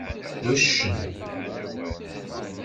D uccen.